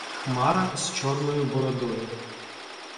Хмара — з чорною бородою.